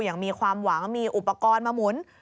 อย่างมีความหวังมีอุปกรณ์มาหมุน